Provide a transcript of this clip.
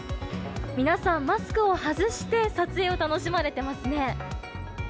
皆さん、マスクを外して撮影を楽しまれてますね。